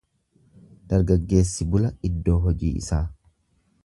Dargaggeessi bula iddoo hojii isaa.